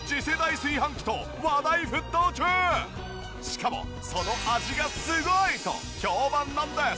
まさにしかもその味がすごい！と評判なんです。